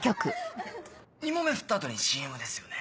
２問目振った後にＣＭですよね？